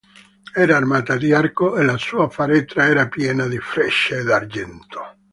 Era armata di arco e la sua faretra era piena di frecce d'argento.